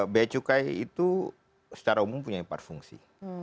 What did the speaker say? bea cukai itu secara umum punya empat fungsi